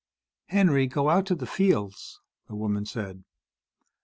"Henry, go out to the fields," the woman said.